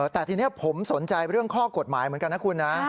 แต่ทีนี้ผมสนใจเรื่องข้อกฎหมายเหมือนกันนะคุณนะ